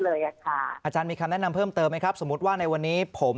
อาจารย์มีคำแนะนำเพิ่มเติมไหมครับสมมุติว่าในวันนี้ผม